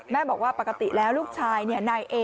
แม่บอกว่าปกติแล้วลูกชายนายเอ